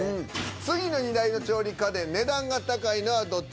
次の２台の調理家電値段が高いのはどっち？